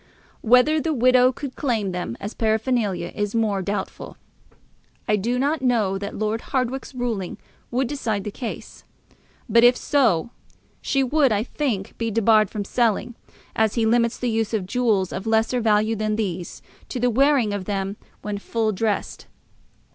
Whether the widow could claim them as paraphernalia is more doubtful. I do not know that Lord Hardwicke's ruling would decide the case; but, if so, she would, I think, be debarred from selling, as he limits the use of jewels of lesser value than these to the wearing of them when full dressed.